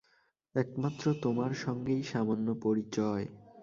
একমাত্র তোমার সঙ্গেই সামান্য পরিচয়।